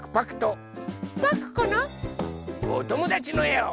おともだちのえを。